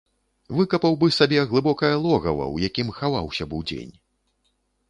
Выкапаў бы сабе глыбокае логава, у якім хаваўся б удзень.